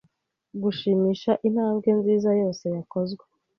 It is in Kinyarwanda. Gushimisha intambwe nziza yose yakozwe